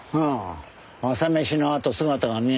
朝飯のあと姿が見えねえんだ。